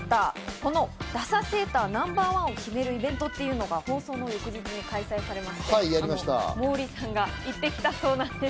このダサセーターナンバーワンを決めるイベントというのが開催されまして、モーリーさんが行ってきたそうなんです。